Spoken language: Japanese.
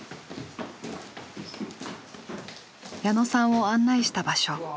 矢野さんを案内した場所。